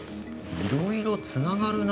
いろいろつながるな。